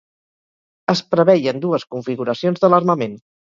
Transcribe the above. Es preveien dues configuracions de l'armament.